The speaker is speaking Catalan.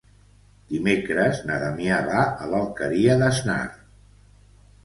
Dimecres na Damià va a l'Alqueria d'Asnar.